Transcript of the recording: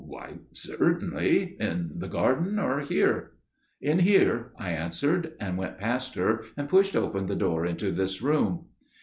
Why, certainly. In the garden or here?' "'In here,' I answered, and went past her and pushed open the door into this room.